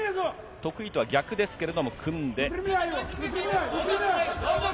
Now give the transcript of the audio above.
得意とは逆ですけれど、組んで。